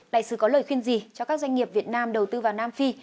đại sứ có lời khuyên gì cho các doanh nghiệp việt nam đầu tư vào nam phi